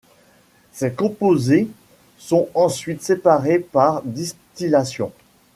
Ces composés sont ensuite séparés par distillation.